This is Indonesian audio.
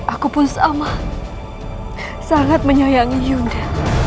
aku pun sama sangat menyayangi yuda